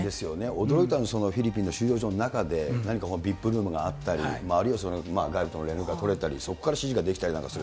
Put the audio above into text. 驚いたのは、フィリピンの収容所の中で、何かＶＩＰルームがあったり、あるいは外部との連絡が取れたり、そこから指示ができたりなんかする。